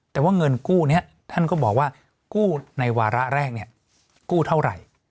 แต่ว่าเงินกู้นี้ท่านก็บอกว่ากู้ในวาระแรกเนี่ยกู้เท่าไหร่